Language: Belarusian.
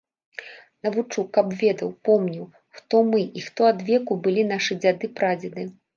Навучу, каб ведаў, помніў, хто мы і хто адвеку былі нашы дзяды-прадзеды.